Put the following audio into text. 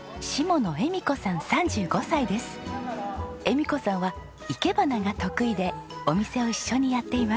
惠美子さんは生け花が得意でお店を一緒にやっています。